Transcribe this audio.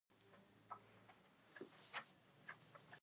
غلام محمدخان اطلاع ورکړه.